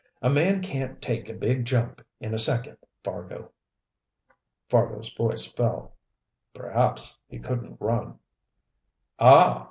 A man can take a big jump in a second, Fargo." Fargo's voice fell. "Perhaps he couldn't run." "Ah!"